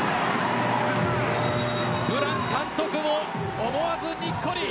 ブラン監督も思わずにっこり。